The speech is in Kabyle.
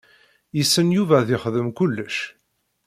Yessen Yuba ad yexdem kullec.